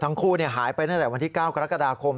ทั้งคู่หายไปห้ายไปได้วันที่๙กรกฎาคม